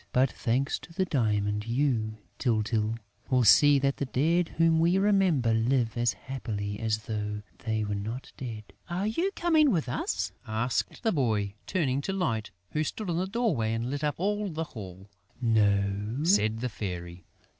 "But, thanks to the diamond, you, Tyltyl, will see that the dead whom we remember live as happily as though they were not dead." "Are you coming with us?" asked the boy, turning to Light, who stood in the doorway and lit up all the hall. "No," said the Fairy.